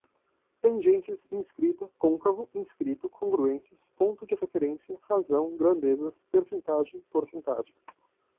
tangentes, inscrita, côncavo, inscrito, congruentes, ponto de referência, razão, grandezas, percentagem, porcentagem